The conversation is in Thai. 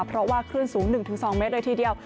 เพราะว่าคลื่นสูง๑๒เมตรเลยทีเดียว